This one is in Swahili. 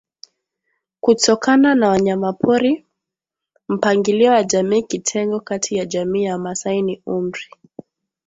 kutokana na wanyamaporiMpangilio wa jamii Kitengo kati ya jamii ya Wamasai ni umri